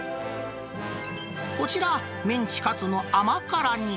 こちら、メンチカツの甘辛煮。